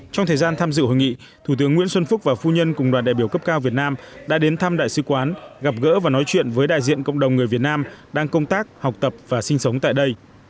trong thời gian tham dự hội nghị thủ tướng nguyễn xuân phúc và phu nhân cùng đoàn đại biểu cấp cao việt nam đã đến thăm đại sứ quán gặp gỡ và nói chuyện với đại diện cộng đồng người việt nam đang công tác học tập và sinh sống tại đây